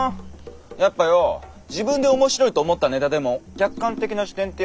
やっぱよォ自分で面白いと思ったネタでも「客観的な視点」ってやつが必要だろ？